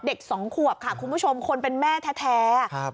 สองขวบค่ะคุณผู้ชมคนเป็นแม่แท้ครับ